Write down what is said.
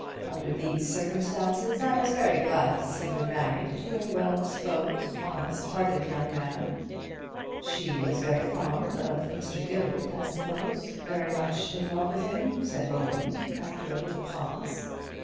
Under these circumstances, I was very glad to see her married to a well disposed, honest hearted young man." "She was very fond of Mr. Gilbert, I suppose, very much in love with him?" said Roland, after a little pause.